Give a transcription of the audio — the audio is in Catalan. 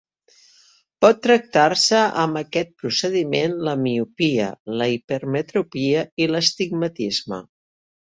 Pot tractar-se amb aquest procediment la miopia, la hipermetropia i l'astigmatisme.